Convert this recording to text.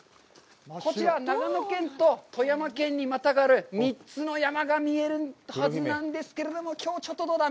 こちら、長野県と富山県にまたがる３つの山が見えるはずなんですけれども、きょう、ちょっとどうだ？